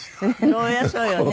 そりゃそうよね。